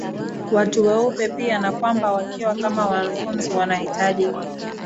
Watu weupe pia na kwamba wakiwa kama wanfunzi wanahitaji